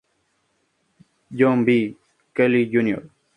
John B. Kelly, Jr.